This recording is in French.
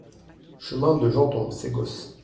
Chemin de Jeanton, Ségos